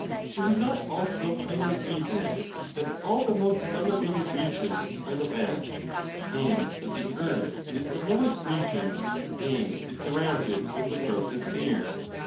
Do we not also plainly see this, that all the most elevated regions are the best, and that the earth is the lowest region, and is surrounded with the grossest air